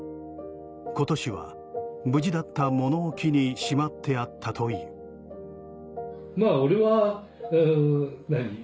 今年は無事だった物置にしまってあったというまぁ俺は。